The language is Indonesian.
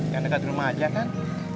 yang dekat rumah aja kan